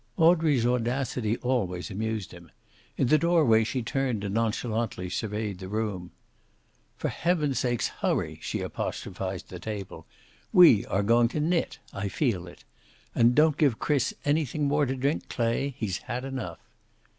Audrey's audacity always amused him. In the doorway she turned and nonchalantly surveyed the room. "For heaven's sake, hurry!" she apostrophized the table. "We are going to knit I feel it. And don't give Chris anything more to drink, Clay. He's had enough."